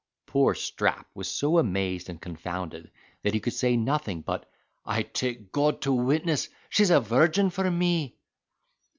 Poor Strap was so amazed and confounded, that he could say nothing but—"I take God to witness she's a virgin for me."